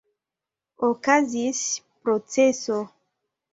Okazis proceso.